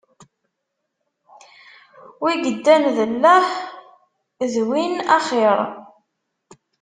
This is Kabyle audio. Wi iddan d lleh, d win axiṛ.